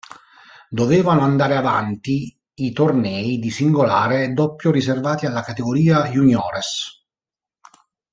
Dovevano andare avanti i tornei di singolare e doppio riservati alla categoria juniores.